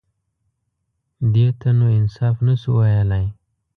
_دې ته نو انصاف نه شو ويلای.